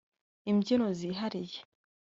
imbyino zihariye